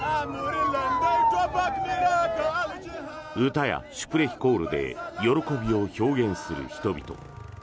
歌やシュプレヒコールで喜びを表現する人々。